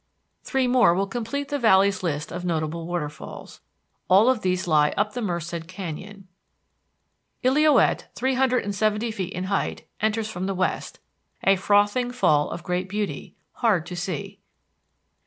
Three more will complete the Valley's list of notable waterfalls. All of these lie up the Merced Canyon. Illilouette, three hundred and seventy feet in height, enters from the west, a frothing fall of great beauty, hard to see.